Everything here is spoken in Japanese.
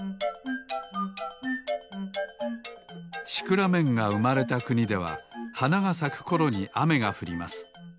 シクラメンがうまれたくにでははながさくころにあめがふります。